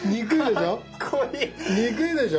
憎いでしょ？